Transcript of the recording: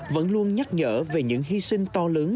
vẫn luôn nhắc nhở về những hy sinh to lớn